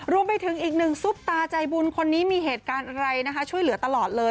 รวมไปถึงอีกหนึ่งซุปตาใจบุญคนนี้มีเหตุการณ์อะไรนะคะช่วยเหลือตลอดเลย